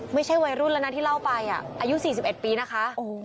ไม่ใช่วัยรุ่นแล้วนะที่เล่าไปอายุ๔๑ปีนะคะ